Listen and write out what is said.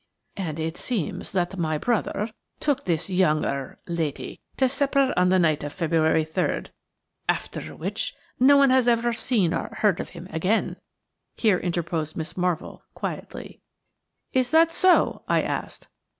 "And it seems that my brother took this young–er–lady to supper on the night of February 3rd, after which no one has ever seen or heard of him again," here interposed Miss Marvell, quietly. "Is that so?" I asked.